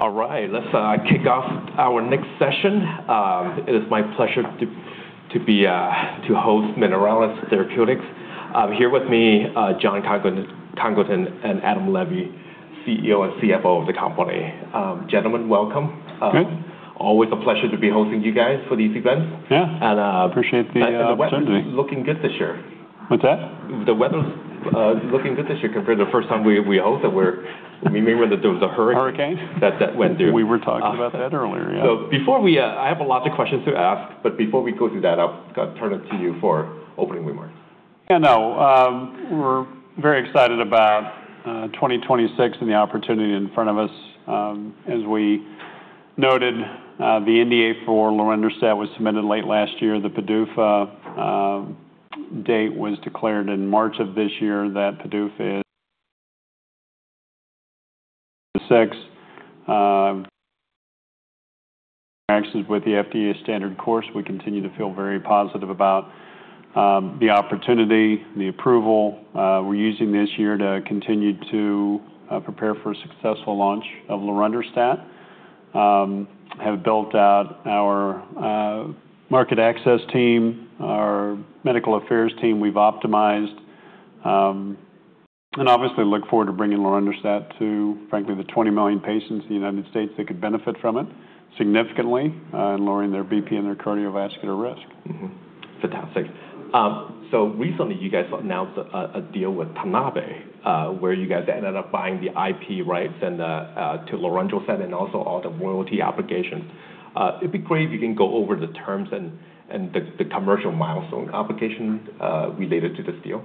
All right, let's kick off our next session. It is my pleasure to host Mineralys Therapeutics. Here with me, Jon Congleton and Adam Levy, CEO and CFO of the company. Gentlemen, welcome. Good. Always a pleasure to be hosting you guys for these events. Yeah. Appreciate the opportunity. The weather's looking good this year. What's that? The weather's looking good this year compared to the first time we hosted, where we remember that there was a hurricane- Hurricane that went through. We were talking about that earlier, yeah. I have a lot of questions to ask, but before we go through that, I'll turn it to you for opening remarks. Yeah, no. We're very excited about 2026 and the opportunity in front of us. As we noted, the NDA for lorundrostat was submitted late last year. The PDUFA date was declared in March of this year, that PDUFA is Dec 6. Interactions with the FDA standard course. We continue to feel very positive about the opportunity, the approval. We're using this year to continue to prepare for a successful launch of lorundrostat. Have built out our market access team, our medical affairs team, we've optimized. Obviously look forward to bringing lorundrostat to, frankly, the 20 million patients in the U.S. that could benefit from it significantly in lowering their BP and their cardiovascular risk. Fantastic. Recently, you guys announced a deal with Tanabe, where you guys ended up buying the IP rights and to lorundrostat and also all the royalty obligations. It'd be great if you can go over the terms and the commercial milestone obligations related to this deal.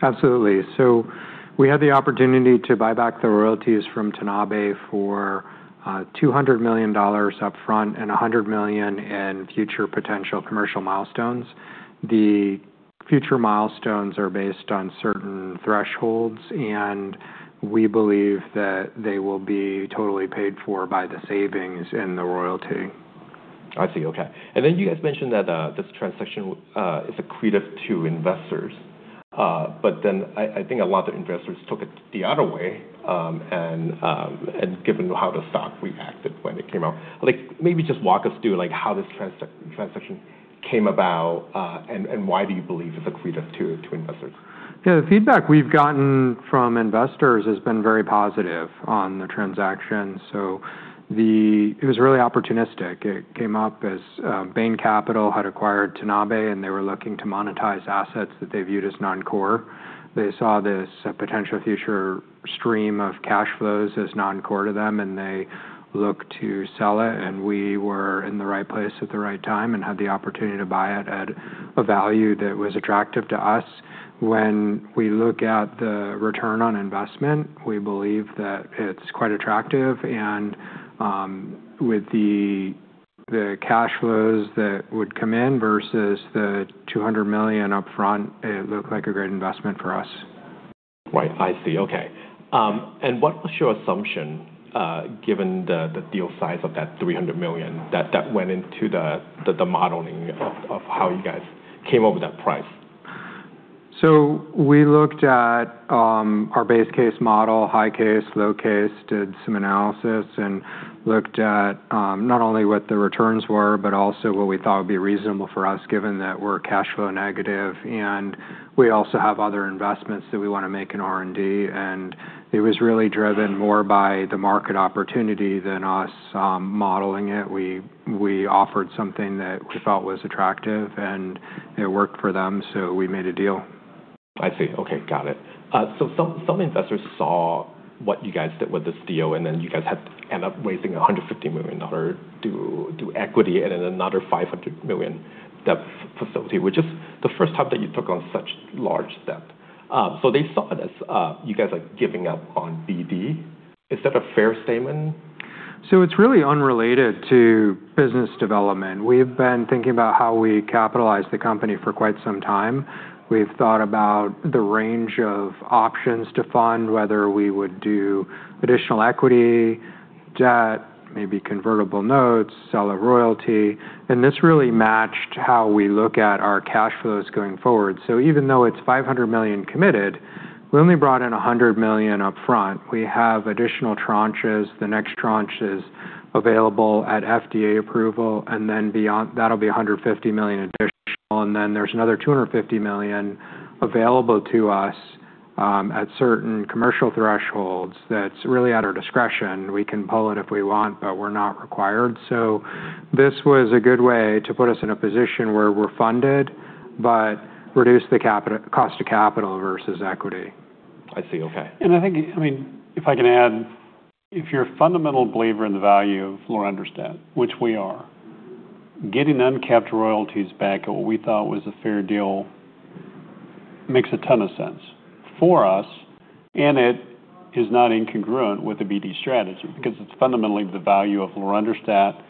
Absolutely. We had the opportunity to buy back the royalties from Tanabe for $200 million up front and $100 million in future potential commercial milestones. The future milestones are based on certain thresholds, we believe that they will be totally paid for by the savings in the royalty. I see. Okay. You guys mentioned that this transaction is accretive to investors. I think a lot of investors took it the other way, given how the stock reacted when it came out. Just walk us through how this transaction came about, and why do you believe it's accretive to investors? Yeah. The feedback we've gotten from investors has been very positive on the transaction. It was really opportunistic. It came up as Bain Capital had acquired Tanabe, they were looking to monetize assets that they viewed as non-core. They saw this potential future stream of cash flows as non-core to them, they looked to sell it, we were in the right place at the right time and had the opportunity to buy it at a value that was attractive to us. When we look at the return on investment, we believe that it's quite attractive, with the cash flows that would come in versus the $200 million up front, it looked like a great investment for us. Right. I see. Okay. What was your assumption, given the deal size of that $300 million, that went into the modeling of how you guys came up with that price? We looked at our base case model, high case, low case, did some analysis, looked at not only what the returns were, but also what we thought would be reasonable for us, given that we're cash flow negative. We also have other investments that we want to make in R&D, it was really driven more by the market opportunity than us modeling it. We offered something that we felt was attractive, it worked for them, we made a deal. I see. Okay. Got it. Some investors saw what you guys did with this deal, and then you guys had to end up raising $150 million to do equity and then another $500 million debt facility, which is the first time that you took on such large debt. They saw it as you guys are giving up on BD. Is that a fair statement? It's really unrelated to business development. We've been thinking about how we capitalize the company for quite some time. We've thought about the range of options to fund, whether we would do additional equity, debt, maybe convertible notes, sell a royalty, this really matched how we look at our cash flows going forward. Even though it's $500 million committed, we only brought in $100 million up front. We have additional tranches. The next tranche is available at FDA approval, then that'll be $150 million additional. There's another $250 million available to us at certain commercial thresholds that's really at our discretion. We can pull it if we want, but we're not required. This was a good way to put us in a position where we're funded, but reduce the cost of capital versus equity. I see. Okay. I think, if I can add, if you're a fundamental believer in the value of lorundrostat, which we are, getting uncapped royalties back at what we thought was a fair deal makes a ton of sense for us, it is not incongruent with the BD strategy because it's fundamentally the value of lorundrostat.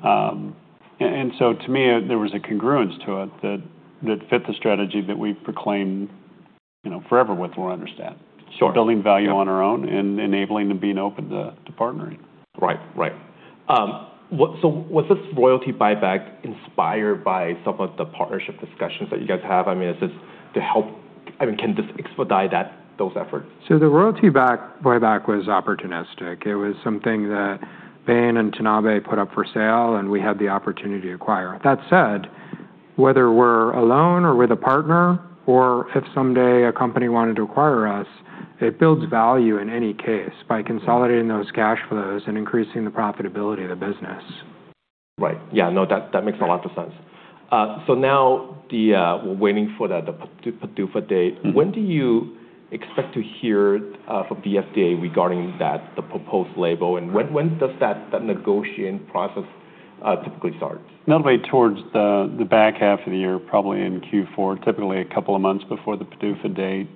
To me, there was a congruence to it that fit the strategy that we've proclaimed forever with lorundrostat. Sure. Building value on our own and enabling and being open to partnering. Right. Was this royalty buyback inspired by some of the partnership discussions that you guys have? I mean, can this expedite those efforts? The royalty buyback was opportunistic. It was something that Bain and Tanabe put up for sale, and we had the opportunity to acquire it. That said, whether we're alone or with a partner, or if someday a company wanted to acquire us, it builds value in any case by consolidating those cash flows and increasing the profitability of the business. Right. Yeah, no, that makes a lot of sense. Now we're waiting for the PDUFA date. When do you expect to hear from the FDA regarding the proposed label, when does that negotiation process typically start? All the way towards the back half of the year, probably in Q4. Typically, a couple of months before the PDUFA date,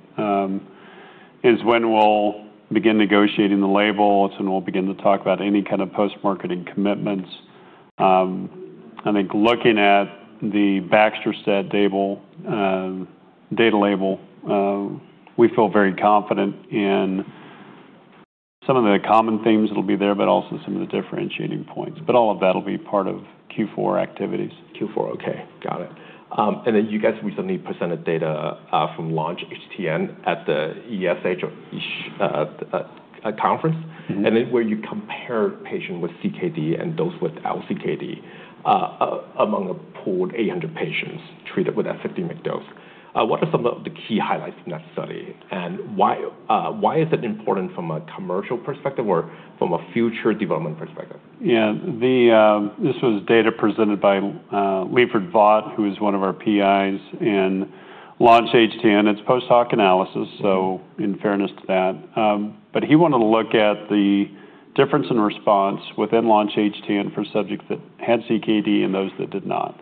is when we'll begin negotiating the label, it's when we'll begin to talk about any kind of post-marketing commitments. I think looking at the baxdrostat data label, we feel very confident in some of the common themes that'll be there, also some of the differentiating points. All of that'll be part of Q4 activities. Q4. Okay. Got it. You guys recently presented data from LAUNCH-HTN at the ESH conference. Where you compare patient with CKD and those without CKD among a pooled 800 patients treated with a 50 mg dose. What are some of the key highlights from that study, why is it important from a commercial perspective or from a future development perspective? Yeah. This was data presented by Manish Saxena, who is one of our PIs in Launch-HTN. It's post-hoc analysis, so in fairness to that. He wanted to look at the difference in response within Launch-HTN for subjects that had CKD and those that did not.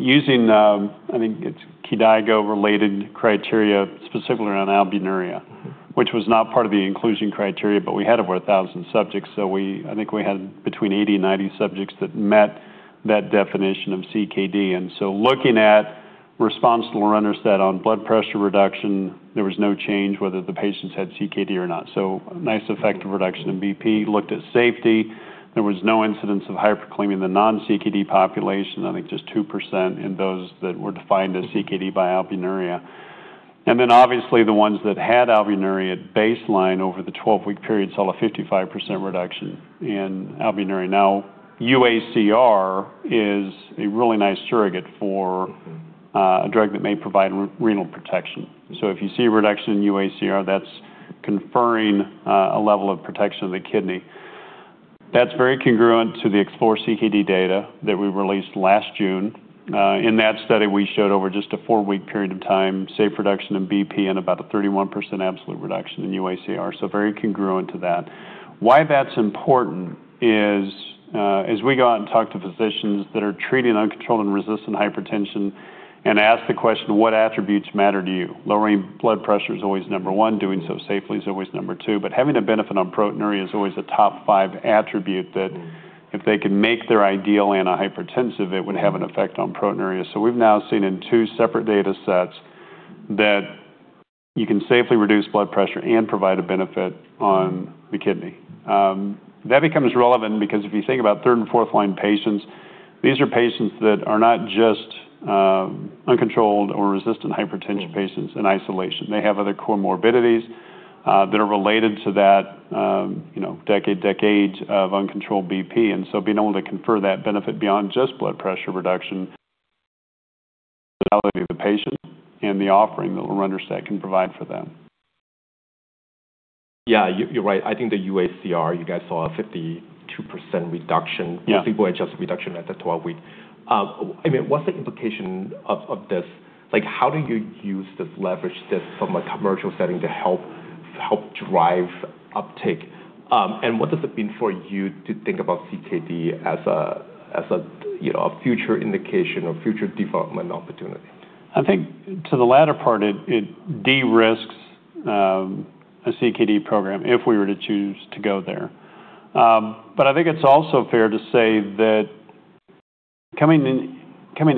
Using, I think it's KDOQI-related criteria, specifically around albuminuria which was not part of the inclusion criteria, we had over 1,000 subjects. I think we had between 80 and 90 subjects that met that definition of CKD. Looking at response to lorundrostat on blood pressure reduction, there was no change whether the patients had CKD or not. Nice effective reduction in BP. Looked at safety. There was no incidence of hyperkalemia in the non-CKD population. I think just 2% in those that were defined as CKD by albuminuria. The ones that had albuminuria at baseline over the 12-week period saw a 55% reduction in albuminuria. UACR is a really nice surrogate for- a drug that may provide renal protection. If you see a reduction in UACR, that's conferring a level of protection of the kidney. That's very congruent to the Explore-CKD data that we released last June. In that study, we showed over just a four-week period of time, safe reduction in BP and about a 31% absolute reduction in UACR. Very congruent to that. Why that's important is as we go out and talk to physicians that are treating uncontrolled and resistant hypertension and ask the question, what attributes matter to you? Lowering blood pressure is always number one. Doing so safely is always number two. Having a benefit on proteinuria is always a top five attribute that if they can make their ideal antihypertensive, it would have an effect on proteinuria. We've now seen in two separate data sets that you can safely reduce blood pressure and provide a benefit on the kidney. That becomes relevant because if you think about third and fourth-line patients, these are patients that are not just uncontrolled or resistant hypertension patients in isolation. They have other comorbidities that are related to that decades of uncontrolled BP, being able to confer that benefit beyond just blood pressure reduction to the patient and the offering that lorundrostat can provide for them. Yeah, you're right. I think the UACR, you guys saw a 52% reduction. Yeah Or people-adjusted reduction at the 12-week. What's the implication of this? How do you use this, leverage this from a commercial setting to help drive uptake? What does it mean for you to think about CKD as a future indication or future development opportunity? I think to the latter part, it de-risks a CKD program if we were to choose to go there. I think it's also fair to say that coming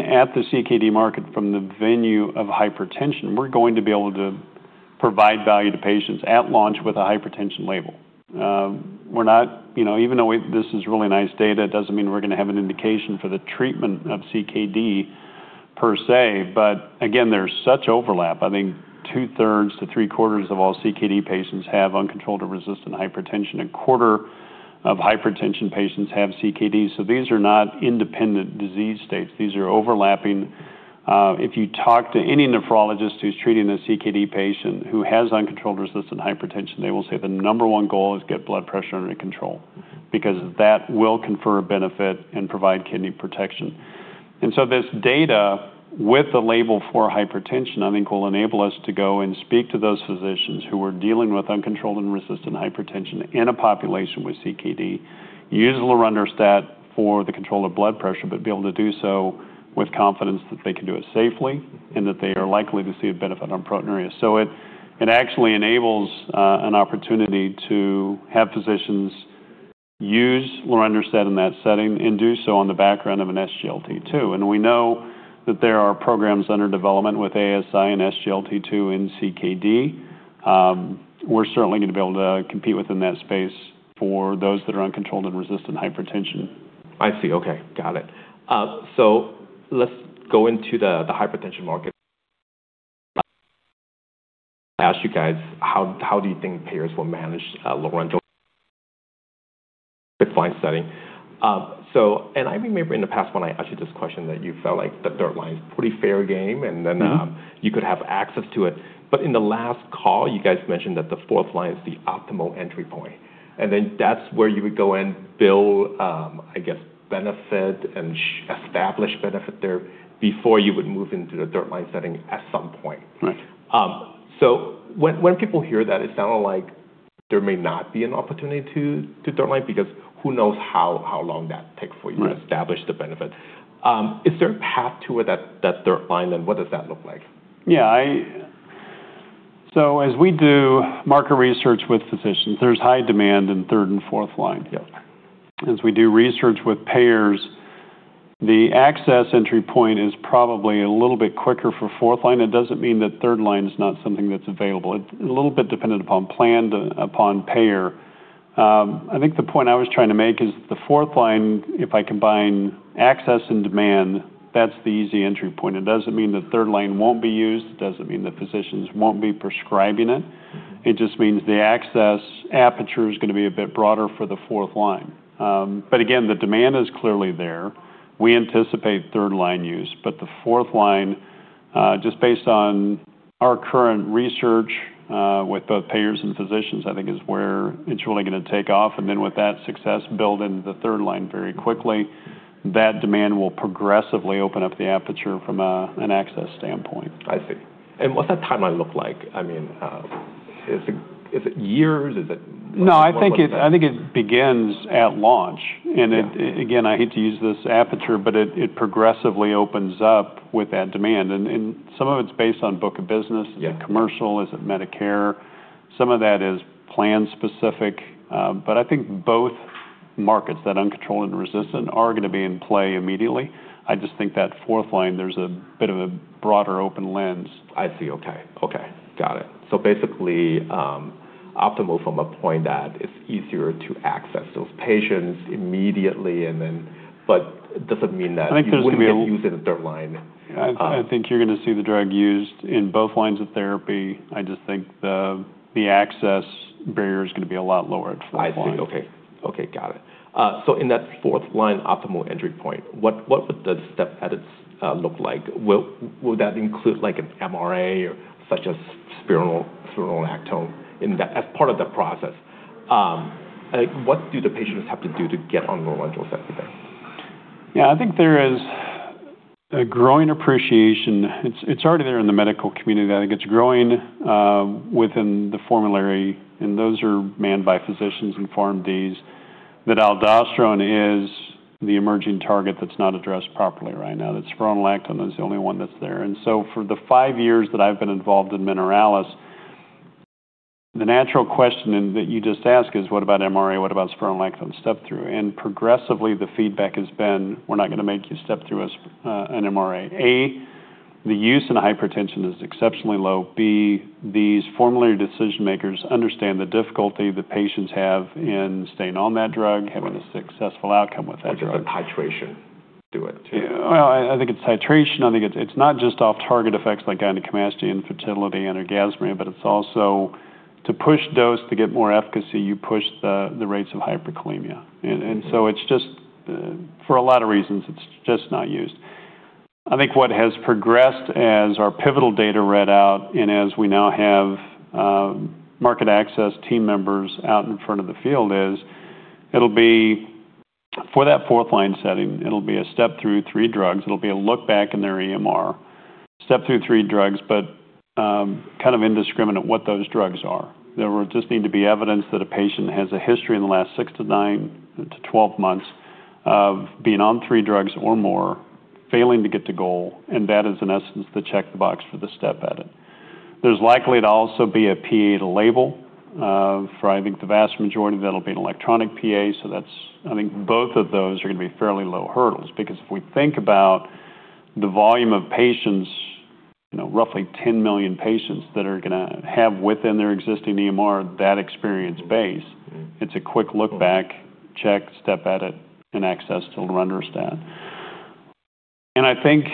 at the CKD market from the venue of hypertension, we're going to be able to provide value to patients at launch with a hypertension label. Even though this is really nice data, it doesn't mean we're going to have an indication for the treatment of CKD per se. Again, there's such overlap. I think 2/3 to three-quarters of all CKD patients have uncontrolled or resistant hypertension. A quarter of hypertension patients have CKD. These are not independent disease states. These are overlapping. If you talk to any nephrologist who's treating a CKD patient who has uncontrolled resistant hypertension, they will say the number one goal is get blood pressure under control, because that will confer a benefit and provide kidney protection. This data with the label for hypertension, I think, will enable us to go and speak to those physicians who are dealing with uncontrolled and resistant hypertension in a population with CKD. Use lorundrostat for the control of blood pressure, but be able to do so with confidence that they can do it safely and that they are likely to see a benefit on proteinuria. It actually enables an opportunity to have physicians use lorundrostat in that setting and do so on the background of an SGLT2. We know that there are programs under development with ASI and SGLT2 and CKD. We're certainly going to be able to compete within that space for those that are uncontrolled and resistant hypertension. I see. Okay. Got it. Let's go into the hypertension market. I asked you guys, how do you think payers will manage lorundrostat fine setting. I remember in the past when I asked you this question that you felt like the third line is pretty fair game. you could have access to it. In the last call, you guys mentioned that the fourth line is the optimal entry point. That's where you would go in, build, I guess, benefit and establish benefit there before you would move into the third line setting at some point. Right. When people hear that, it sounded like there may not be an opportunity to third line because who knows how long that takes. Right to establish the benefit. Is there a path to that third line, what does that look like? Yeah. As we do market research with physicians, there's high demand in third and fourth line. Yep. As we do research with payers, the access entry point is probably a little bit quicker for fourth line. It doesn't mean that third line is not something that's available. It's a little bit dependent upon plan, upon payer. I think the point I was trying to make is the fourth line, if I combine access and demand, that's the easy entry point. It doesn't mean the third line won't be used. It doesn't mean the physicians won't be prescribing it. It just means the access aperture is going to be a bit broader for the fourth line. Again, the demand is clearly there. We anticipate third line use. The fourth line, just based on our current research with both payers and physicians, I think is where it's really going to take off. Then with that success build into the third line very quickly. That demand will progressively open up the aperture from an access standpoint. I see. What's that timeline look like? Is it years? Is it months? What does it look like? No, I think it begins at launch. Yeah. Again, I hate to use this aperture, but it progressively opens up with that demand. Some of it's based on book of business. Yeah Is it commercial, is it Medicare? Some of that is plan specific. I think both markets, that uncontrolled and resistant, are going to be in play immediately. I just think that fourth line, there's a bit of a broader open lens. I see. Okay. Got it. Basically, optimal from a point that it's easier to access those patients immediately and then. It doesn't mean that. I think there's going to be a. You wouldn't use it in third line. I think you're going to see the drug used in both lines of therapy. I just think the access barrier is going to be a lot lower at fourth line. I see. Okay. Got it. In that fourth line optimal entry point, what would the step edits look like? Would that include like an MRA or such as spironolactone as part of the process? What do the patients have to do to get on lorundrostat? Yeah, I think there is a growing appreciation. It's already there in the medical community. I think it's growing within the formulary, and those are manned by physicians and PharmDs, that aldosterone is the emerging target that's not addressed properly right now. That spironolactone is the only one that's there. For the five years that I've been involved in Mineralys, the natural question that you just asked is what about MRA? What about spironolactone step through? Progressively, the feedback has been, we're not going to make you step through an MRA. A, the use in hypertension is exceptionally low. B, these formulary decision-makers understand the difficulty that patients have in staying on that drug- Right having a successful outcome with that drug. Because of the titration to it too. Well, I think it's titration. I think it's not just off-target effects like gynecomastia, infertility, anorgasmia, but it's also to push dose to get more efficacy, you push the rates of hyperkalemia. It's just for a lot of reasons, it's just not used. I think what has progressed as our pivotal data read out and as we now have market access team members out in front of the field is it'll be for that fourth-line setting. It'll be a step through three drugs. It'll be a look back in their EMR. Step through three drugs, but kind of indiscriminate what those drugs are. There will just need to be evidence that a patient has a history in the last six to nine to 12 months of being on three drugs or more, failing to get to goal, and that is in essence the check the box for the step edit. There's likely to also be a PA to label. For I think the vast majority, that'll be an electronic PA, so that's, I think both of those are going to be fairly low hurdles because if we think about the volume of patients, roughly 10 million patients that are going to have within their existing EMR that experience base. It's a quick look back, check, step edit, and access to lorundrostat. I think,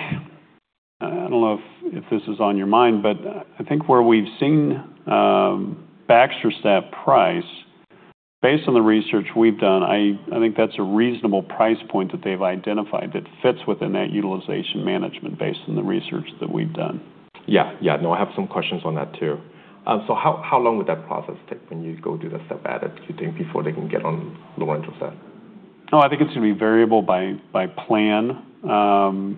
I don't know if this is on your mind, but I think where we've seen baxdrostat price, based on the research we've done, I think that's a reasonable price point that they've identified that fits within that utilization management based on the research that we've done. Yeah. No, I have some questions on that too. How long would that process take when you go do the step edit, do you think, before they can get on lorundrostat? I think it's going to be variable by plan. I don't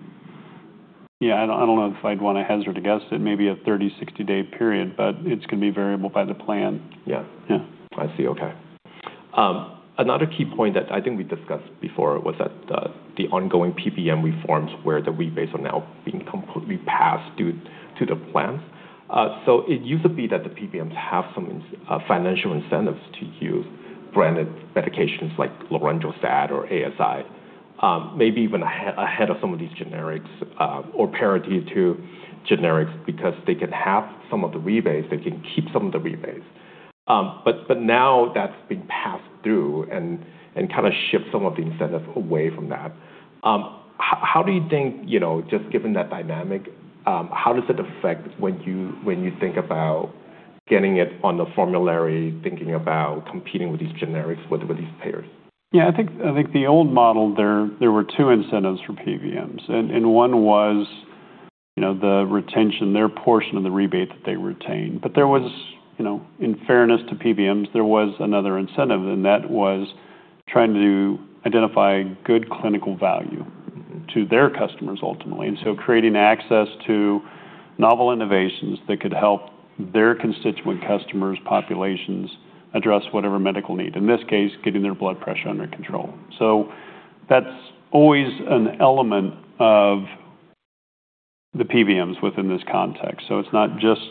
know if I'd want to hazard a guess at maybe a 30-, 60-day period, but it's going to be variable by the plan. Yeah. Yeah. I see. Okay. Another key point that I think we discussed before was that the ongoing PBM reforms where the rebates are now being completely passed due to the plans. It used to be that the PBMs have some financial incentives to use branded medications like lorundrostat or ASI, maybe even ahead of some of these generics or parity to generics, because they can have some of the rebates, they can keep some of the rebates. Now that's been passed through and kind of shift some of the incentives away from that. How do you think, just given that dynamic, how does it affect when you think about getting it on the formulary, thinking about competing with these generics, with these payers? I think the old model there were two incentives for PBMs, one was the retention, their portion of the rebate that they retained. There was, in fairness to PBMs, there was another incentive, that was trying to identify good clinical value to their customers, ultimately. Creating access to novel innovations that could help their constituent customers' populations address whatever medical need. In this case, getting their blood pressure under control. That's always an element of the PBMs within this context. It's not just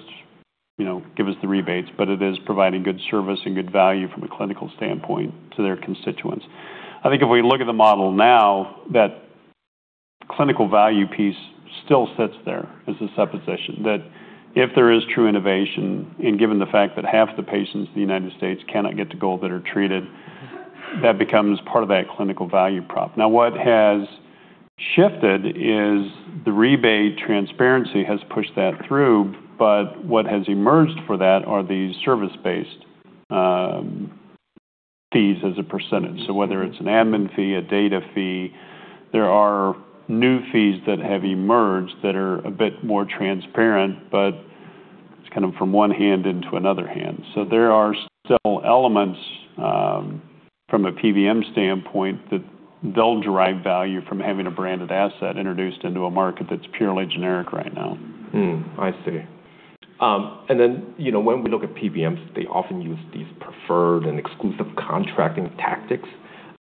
give us the rebates, but it is providing good service and good value from a clinical standpoint to their constituents. I think if we look at the model now, that clinical value piece still sits there as a supposition that if there is true innovation, given the fact that half the patients in the U.S. cannot get to goal that are treated, that becomes part of that clinical value prop. What has shifted is the rebate transparency has pushed that through, what has emerged for that are these service-based fees as a percentage. Whether it's an admin fee, a data fee, there are new fees that have emerged that are a bit more transparent, it's kind of from one hand into another hand. There are still elements, from a PBM standpoint, that they'll derive value from having a branded asset introduced into a market that's purely generic right now. I see. When we look at PBMs, they often use these preferred and exclusive contracting tactics,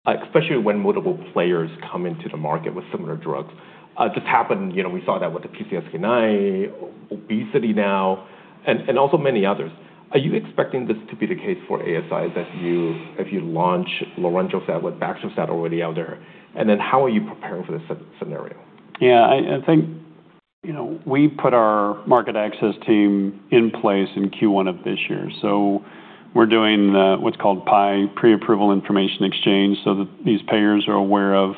especially when multiple players come into the market with similar drugs. This happened, we saw that with the PCSK9, obesity now, and also many others. Are you expecting this to be the case for ASIs as you launch lorundrostat with baxdrostat already out there, and then how are you preparing for this scenario? Yeah, I think we put our market access team in place in Q1 of this year. We're doing what's called PIE, pre-approval information exchange, so that these payers are aware of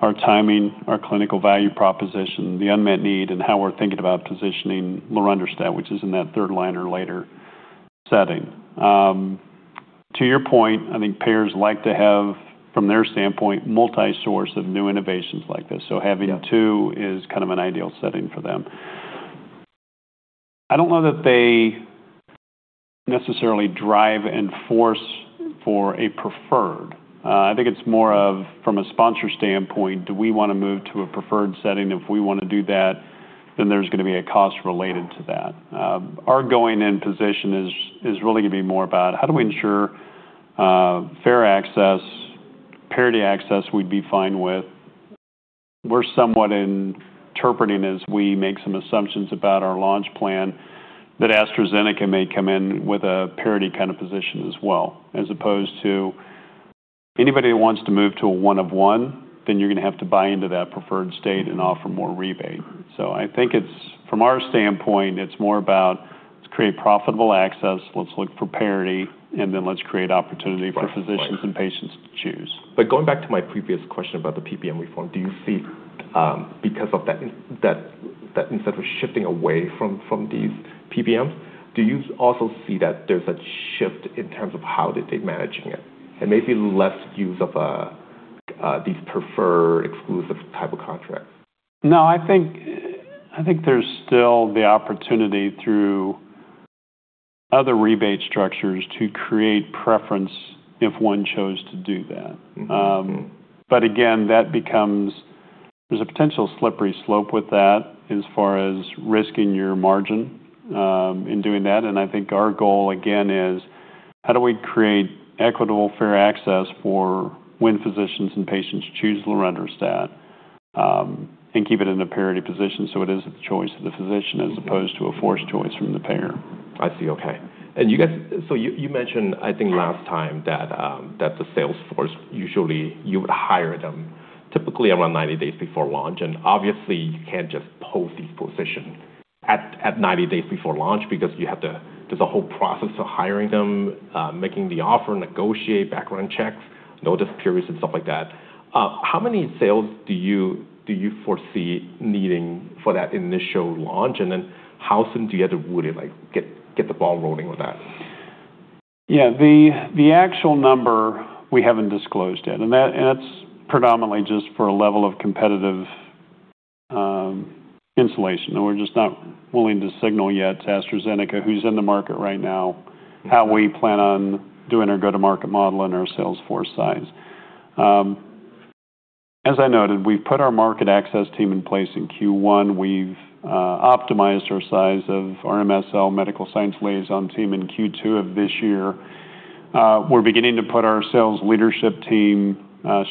our timing, our clinical value proposition, the unmet need, and how we're thinking about positioning lorundrostat, which is in that third-line later setting. To your point, I think payers like to have, from their standpoint, multi-source of new innovations like this. Having two is kind of an ideal setting for them. I don't know that they necessarily drive and force for a preferred. I think it's more of, from a sponsor standpoint, do we want to move to a preferred setting? If we want to do that, then there's going to be a cost related to that. Our going-in position is really going to be more about how do we ensure fair access, parity access we'd be fine with. We're somewhat interpreting as we make some assumptions about our launch plan that AstraZeneca may come in with a parity kind of position as well, as opposed to anybody who wants to move to a one of one, then you're going to have to buy into that preferred state and offer more rebate. I think from our standpoint, it's more about let's create profitable access, let's look for parity, and then let's create opportunity for physicians and patients to choose. Going back to my previous question about the PBM reform, do you see because of that incentive shifting away from these PBMs, do you also see that there's a shift in terms of how they're managing it, and maybe less use of these preferred exclusive type of contract? No, I think there's still the opportunity through other rebate structures to create preference if one chose to do that. Again, there's a potential slippery slope with that as far as risking your margin in doing that. I think our goal again is how do we create equitable fair access for when physicians and patients choose lorundrostat, and keep it in a parity position so it is at the choice of the physician as opposed to a forced choice from the payer. I see. Okay. You mentioned, I think last time that the sales force, usually you would hire them typically around 90 days before launch, and obviously you can't just post these positions at 90 days before launch because there's a whole process of hiring them, making the offer, negotiate, background checks, notice periods, and stuff like that. How many sales do you foresee needing for that initial launch? Then how soon do you have to really get the ball rolling with that? The actual number we haven't disclosed yet, and that's predominantly just for a level of competitive insulation, and we're just not willing to signal yet to AstraZeneca, who's in the market right now, how we plan on doing our go-to-market model and our sales force size. As I noted, we've put our market access team in place in Q1. We've optimized our size of our MSL, medical science liaison team in Q2 of this year. We're beginning to put our sales leadership team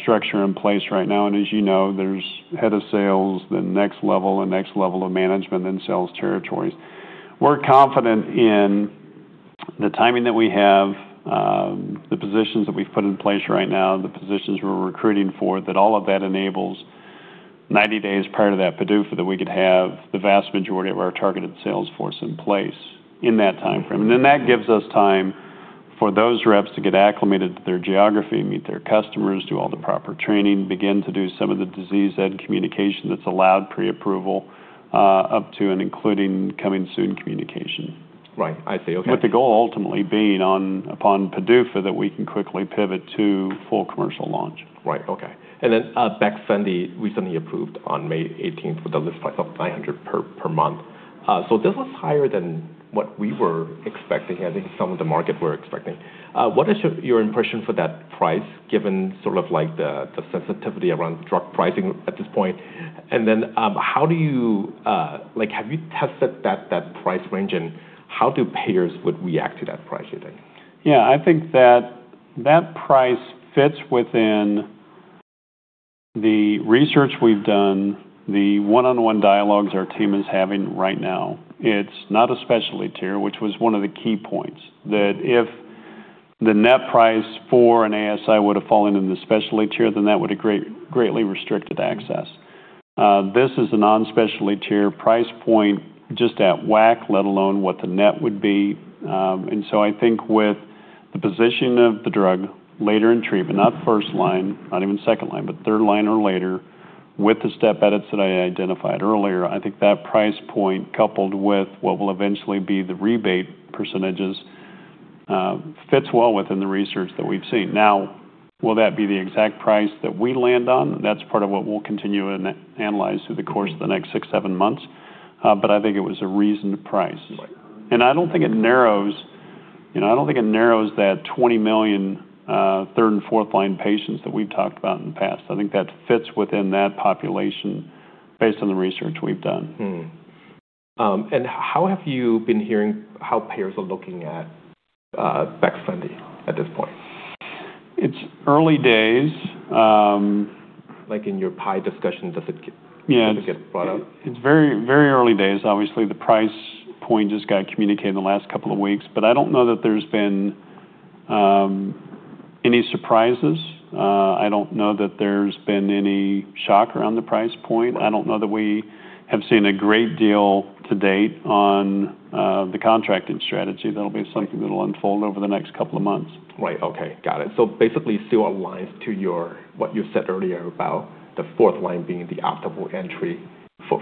structure in place right now, as you know, there's head of sales, the next level and next level of management, sales territories. We're confident in the timing that we have, the positions that we've put in place right now, the positions we're recruiting for, that all of that enables 90 days prior to that PDUFA that we could have the vast majority of our targeted sales force in place in that timeframe. That gives us time for those reps to get acclimated to their geography, meet their customers, do all the proper training, begin to do some of the disease ed communication that's allowed pre-approval, up to and including coming soon communication. Right. I see. Okay. With the goal ultimately being on upon PDUFA that we can quickly pivot to full commercial launch. Right. Okay. Baxfendy recently approved on May 18th with a list price of $500 per month. This was higher than what we were expecting, I think some of the market were expecting. What is your impression for that price given sort of the sensitivity around drug pricing at this point? Have you tested that price range, and how do payers would react to that price, do you think? Yeah. I think that that price fits within the research we've done, the one-on-one dialogues our team is having right now. It's not a specialty tier, which was one of the key points. If the net price for an ASI would've fallen in the specialty tier, then that would've greatly restricted access. This is a non-specialty tier price point, just at WAC, let alone what the net would be. I think with the position of the drug later in treatment, not 1st line, not even second line, but third line or later, with the step edits that I identified earlier, I think that price point, coupled with what will eventually be the rebate percentages, fits well within the research that we've seen. Now, will that be the exact price that we land on? That's part of what we'll continue and analyze through the course of the next six, seven months. I think it was a reasoned price. Right. I don't think it narrows that $20 million third and fourth line patients that we've talked about in the past. I think that fits within that population based on the research we've done. Mm-hmm. How have you been hearing how payers are looking at Baxfendy at this point? It's early days. Like in your PIE discussions, does it get- Yeah brought up? It's very early days. Obviously, the price point just got communicated in the last couple of weeks, but I don't know that there's been any surprises. I don't know that there's been any shock around the price point. I don't know that we have seen a great deal to date on the contracting strategy. That'll be something that'll unfold over the next couple of months. Right. Okay. Got it. Basically, still aligns to what you said earlier about the fourth line being the optimal entry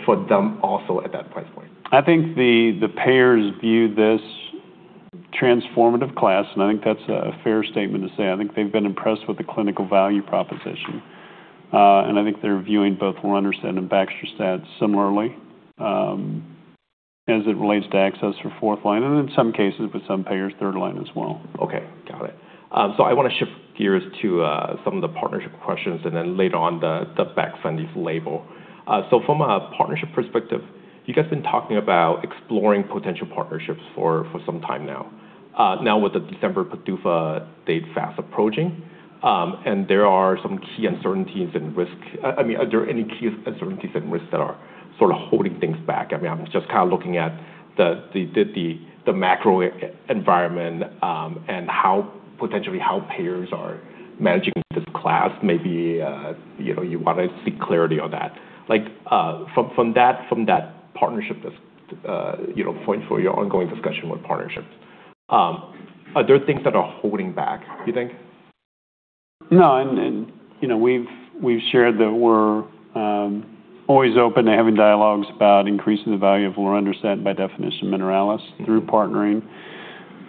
for them also at that price point. I think the payers view this transformative class, and I think that's a fair statement to say. I think they've been impressed with the clinical value proposition. I think they're viewing both lorundrostat and baxdrostat similarly, as it relates to access for fourth line, and in some cases, with some payers, third line as well. Okay. Got it. I want to shift gears to some of the partnership questions, and then later on, the Baxfendy's label. From a partnership perspective, you guys have been talking about exploring potential partnerships for some time now. Now with the December PDUFA date fast approaching, are there any key uncertainties and risks that are sort of holding things back? I'm just kind of looking at the macro environment, and potentially how payers are managing this class, maybe you want to seek clarity on that. From that partnership point for your ongoing discussion with partnerships, are there things that are holding back, do you think? No. We've shared that we're always open to having dialogues about increasing the value of lorundrostat by definition Mineralys through partnering.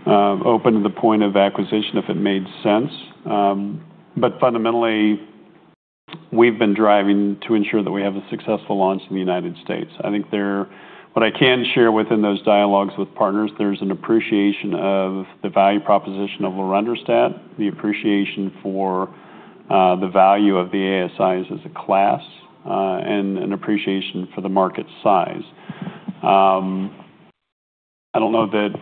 Open to the point of acquisition if it made sense. Fundamentally, we've been driving to ensure that we have a successful launch in the United States. I think what I can share within those dialogues with partners, there's an appreciation of the value proposition of lorundrostat, the appreciation for the value of the ASIs as a class, and an appreciation for the market size. I don't know that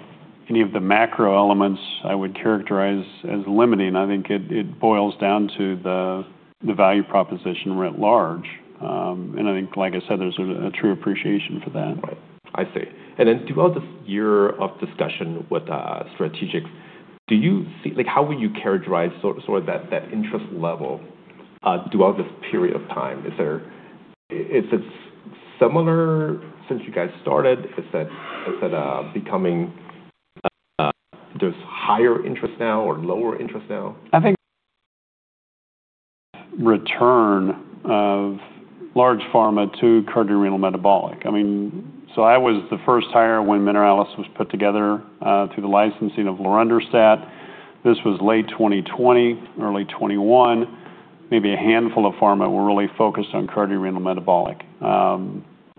any of the macro elements I would characterize as limiting. I think it boils down to the value proposition writ large. I think, like I said, there's a true appreciation for that. Right. I see. Throughout this year of discussion with strategic, how would you characterize sort of that interest level throughout this period of time? Is it similar since you guys started? Is it becoming there's higher interest now or lower interest now? I think return of large pharma to cardiometabolic. I was the first hire when Mineralys was put together, through the licensing of lorundrostat. This was late 2020, early 2021. Maybe a handful of pharma were really focused on cardiometabolic.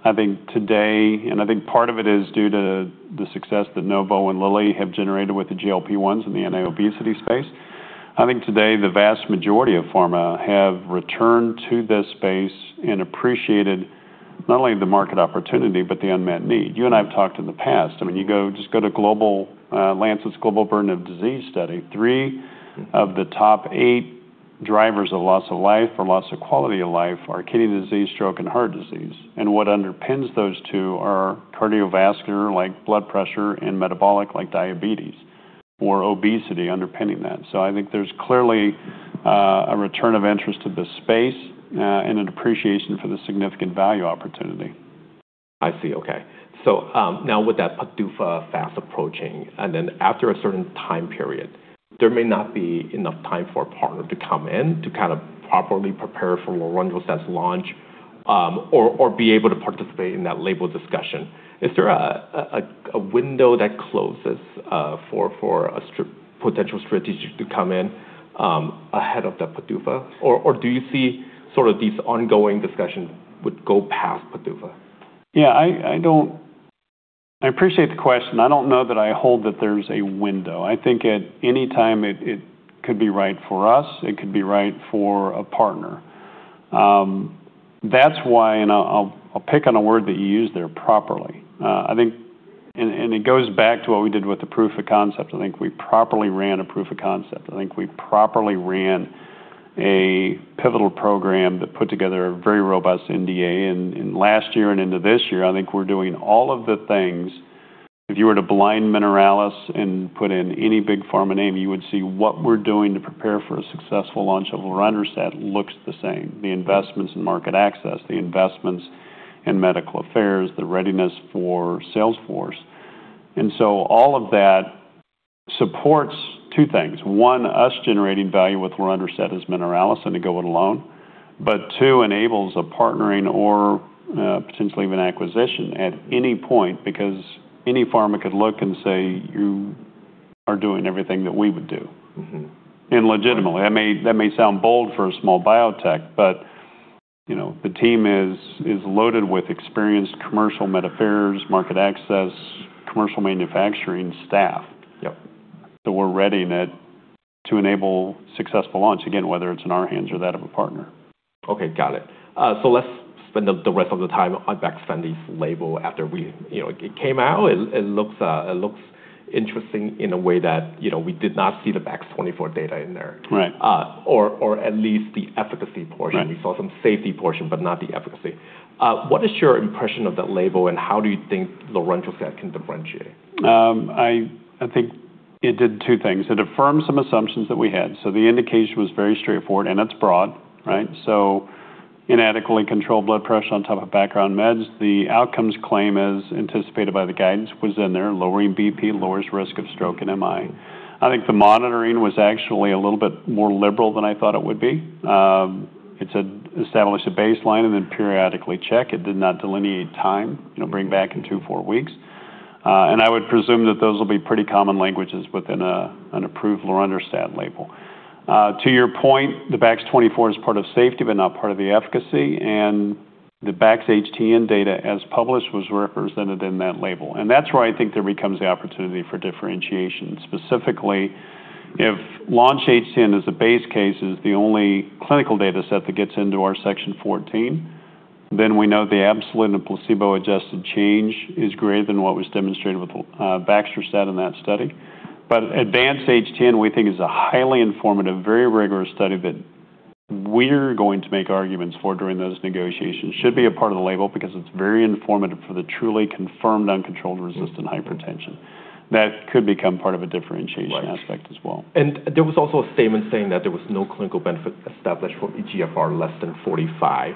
I think today, and I think part of it is due to the success that Novo and Lilly have generated with the GLP-1s in the anti-obesity space. I think today the vast majority of pharma have returned to this space and appreciated not only the market opportunity, but the unmet need. You and I have talked in the past. Just go to The Lancet's Global Burden of Disease study. Three of the top eight drivers of loss of life or loss of quality of life are kidney disease, stroke, and heart disease. What underpins those two are cardiovascular, like blood pressure, and metabolic, like diabetes or obesity underpinning that. I think there's clearly a return of interest to this space and an appreciation for the significant value opportunity. I see. Okay. With that PDUFA fast approaching, after a certain time period, there may not be enough time for a partner to come in to properly prepare for lorundrostat's launch or be able to participate in that label discussion. Is there a window that closes for a potential strategic to come in ahead of the PDUFA? Or do you see these ongoing discussions would go past PDUFA? Yeah, I appreciate the question. I don't know that I hold that there's a window. I think at any time it could be right for us, it could be right for a partner. That's why, and I'll pick on a word that you used there, properly. It goes back to what we did with the proof of concept. I think we properly ran a proof of concept. I think we properly ran a pivotal program that put together a very robust NDA. Last year and into this year, I think we're doing all of the things. If you were to blind Mineralys and put in any big pharma name, you would see what we're doing to prepare for a successful launch of lorundrostat looks the same. The investments in market access, the investments in medical affairs, the readiness for sales force. All of that supports two things. One, us generating value with lorundrostat as Mineralys and to go it alone. Two, enables a partnering or potentially even acquisition at any point because any pharma could look and say, "You are doing everything that we would do. Legitimately. That may sound bold for a small biotech, but the team is loaded with experienced commercial, med affairs, market access, commercial manufacturing staff. Yep. We're ready to enable successful launch, again, whether it's in our hands or that of a partner. Okay, got it. Let's spend the rest of the time on Bax-C HTN label after it came out. It looks interesting in a way that we did not see the Bax24 data in there. Right. At least the efficacy portion. Right. We saw some safety portion, but not the efficacy. What is your impression of that label, and how do you think lorundrostat can differentiate? I think it did two things. It affirmed some assumptions that we had. The indication was very straightforward, and it's broad, right? Inadequately controlled blood pressure on top of background meds. The outcomes claim, as anticipated by the guidance, was in there. Lowering BP lowers risk of stroke and MI. I think the monitoring was actually a little bit more liberal than I thought it would be. It said establish a baseline and then periodically check. It did not delineate time, bring back in two to four weeks. I would presume that those will be pretty common languages within an approved lorundrostat label. To your point, the Bax24 is part of safety, but not part of the efficacy, and the BaxHTN data, as published, was represented in that label. That's where I think there becomes the opportunity for differentiation. Specifically, if LAUNCH-HTN as a base case is the only clinical data set that gets into our Section 14, then we know the absolute and placebo-adjusted change is greater than what was demonstrated with baxdrostat in that study. Advance-HTN, we think, is a highly informative, very rigorous study that we're going to make arguments for during those negotiations should be a part of the label because it's very informative for the truly confirmed uncontrolled resistant hypertension. That could become part of a differentiation aspect as well. There was also a statement saying that there was no clinical benefit established for eGFR less than 45.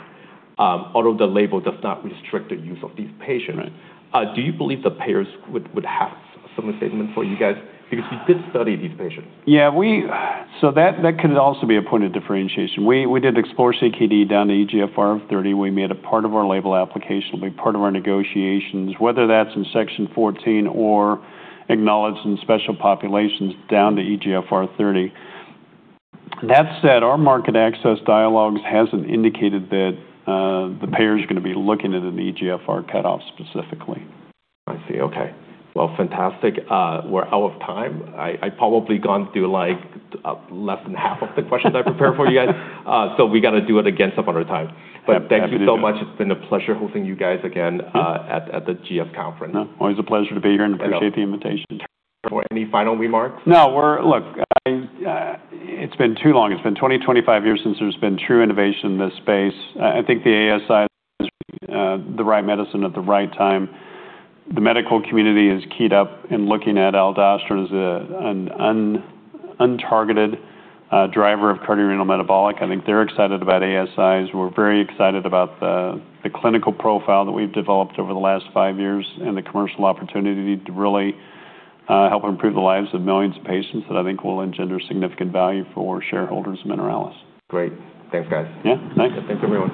Although the label does not restrict the use of these patients. Right Do you believe the payers would have some statement for you guys because you did study these patients? Yeah. That could also be a point of differentiation. We did Explore-CKD down to eGFR of 30. We made it part of our label application. It'll be part of our negotiations, whether that's in Section 14 or acknowledged in special populations down to eGFR 30. That said, our market access dialogues hasn't indicated that the payer's going to be looking at an eGFR cutoff specifically. I see. Okay. Well, fantastic. We're out of time. I've probably gone through less than half of the questions I prepared for you guys. We got to do it again some other time. Absolutely. Thank you so much. It's been a pleasure hosting you guys again at the GS conference. No, always a pleasure to be here and appreciate the invitation. Any final remarks? No. Look, it's been too long. It's been 20, 25 years since there's been true innovation in this space. I think the ASI is the right medicine at the right time. The medical community is keyed up in looking at aldosterone as an untargeted driver of cardiorenal metabolic. I think they're excited about ASIs. We're very excited about the clinical profile that we've developed over the last five years and the commercial opportunity to really help improve the lives of millions of patients that I think will engender significant value for shareholders of Mineralys. Great. Thanks, guys. Yeah. Thanks. Thanks everyone.